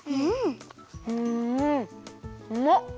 うん。